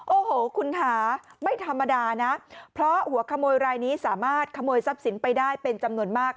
โอ้โหคุณค่ะไม่ธรรมดานะเพราะหัวขโมยรายนี้สามารถขโมยทรัพย์สินไปได้เป็นจำนวนมาก